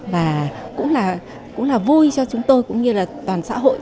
và cũng là vui cho chúng tôi cũng như là toàn xã hội